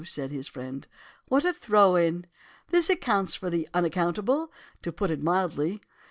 said his friend. 'What a throw in! This accounts for the unaccountable, to put it mildly.